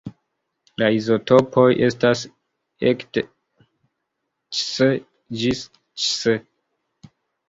La izotopoj estas ekde Cs ĝis Cs.